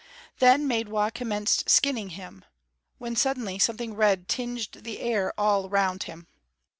Then Maidwa commenced skinning him, when suddenly something red tinged the air all around him.